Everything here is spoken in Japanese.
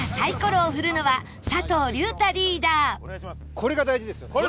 これが大事ですよ。